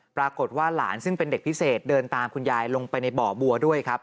ปรากฏว่าหลานซึ่งเป็นเด็กพิเศษเดินตามคุณยายลงไปในบ่อบัวด้วยครับ